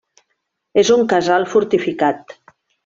És un casal fortificat.